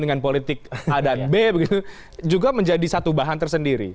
dengan politik a dan b juga menjadi satu bahan tersendiri